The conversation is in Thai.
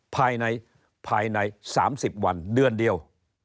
ภายใน๓๐วันเดือนเดียว